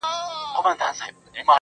د اشغالګر پنجاب دا ټول جنایتونه